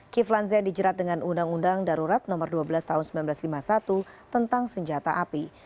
kiflan zen dijerat dengan undang undang darurat nomor dua belas tahun seribu sembilan ratus lima puluh satu tentang senjata api